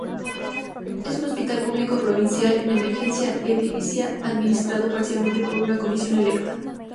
Es un hospital público provincial en emergencia edilicia, administrado parcialmente por una Comisión electa.